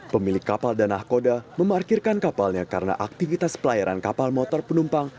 pemilik kapal dan nahkoda memarkirkan kapalnya karena aktivitas pelayaran kapal motor penumpang